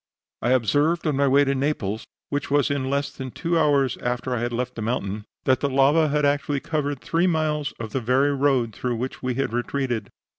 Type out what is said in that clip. I observed on my way to Naples, which was in less than two hours after I had left the mountain, that the lava had actually covered three miles of the very road through which we had retreated.